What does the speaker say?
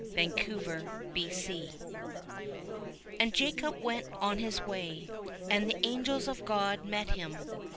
TAORMINA 'And Jacob went on his way; and the angels of God met him.'